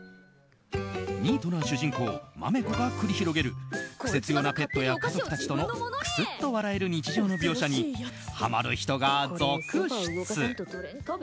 ニートな主人公まめこが繰り広げるクセ強なペットや家族たちとのくすっと笑える日常の描写にハマる人が続出。